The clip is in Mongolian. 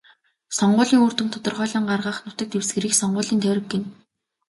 Сонгуулийн үр дүнг тодорхойлон гаргах нутаг дэвсгэрийг сонгуулийн тойрог гэнэ.